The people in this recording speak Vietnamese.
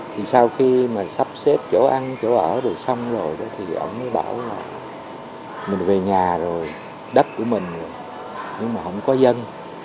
thì sau khi mà sắp xếp chỗ ăn chỗ ở rồi xong rồi đó thì ông mới bảo là mình về nhà rồi đất của mình nhưng mà không có dân